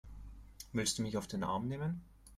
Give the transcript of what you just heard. Willst du mich auf den Arm nehmen?